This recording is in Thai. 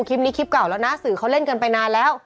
คลิปเก่าแล้วนะสื่อเขาเล่นกันไปนานแล้ว